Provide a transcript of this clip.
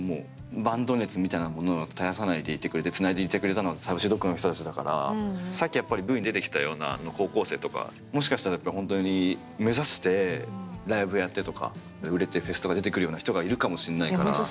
バンド熱みたいなものを絶やさないでいてくれてつないでいてくれたのはＳａｕｃｙＤｏｇの人たちだからさっきやっぱりＶに出てきたような高校生とかもしかしたらやっぱりほんとに目指してライブやってとか売れてフェスとか出てくるような人がいるかもしんないから。